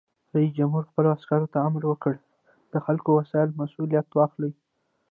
رئیس جمهور خپلو عسکرو ته امر وکړ؛ د خپلو وسایلو مسؤلیت واخلئ!